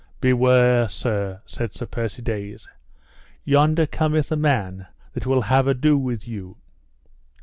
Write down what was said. Beware, sir, said Sir Persides, yonder cometh a man that will have ado with you.